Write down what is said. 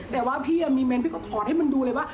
แต่ว่าพี่มีเน้นพี่ก็ถอดให้มันดูเลยว่า